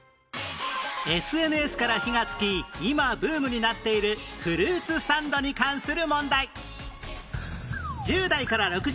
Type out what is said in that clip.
ＳＮＳ から火がつき今ブームになっているフルーツサンドに関する問題